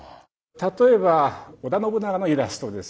例えば織田信長のイラストです。